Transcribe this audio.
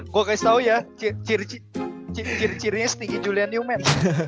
gue kasih tau ya ciri ciri ciri ciri cirinya stinky julian newman